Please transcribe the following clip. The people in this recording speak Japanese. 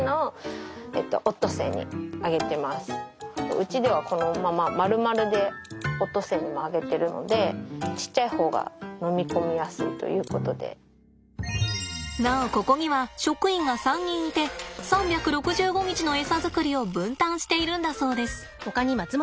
うちではこのまま丸々でオットセイにもあげてるのでなおここには職員が３人いて３６５日のエサ作りを分担しているんだそうです。